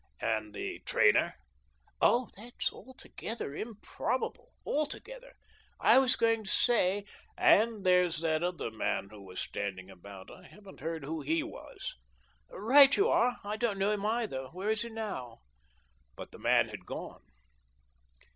"And the trainer?" " Oh, that's altogether improbable — altogether. I was going to say "" And there's that other man who was stand ing about; I haven't heard who he was." " Right you are. I don't know him either. Where is he now?" But the man had gone.